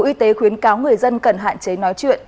y tế khuyến cáo người dân cần hạn chế nói chuyện